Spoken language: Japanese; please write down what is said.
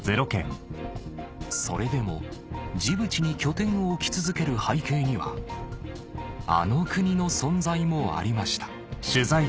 それでもジブチに拠点を置き続ける背景にはあの国の存在もありました